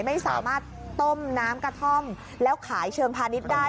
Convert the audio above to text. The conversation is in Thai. ไม่สามารถต้มน้ำกระท่อมแล้วขายเชิงพาณิชย์ได้